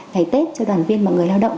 ngày tết cho đoàn viên và người lao động